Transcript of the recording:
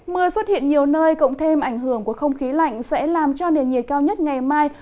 mưa xuất hiện nhiều nơi cộng thêm ảnh hưởng của không khí lạnh sẽ làm cho nền nhiệt cao nhất ngày mai